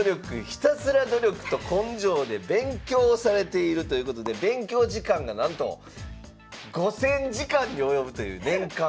ひたすら努力と根性で勉強されているということで勉強時間がなんと５，０００時間に及ぶという年間。